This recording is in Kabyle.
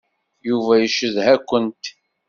Yuba yeccedha-kent.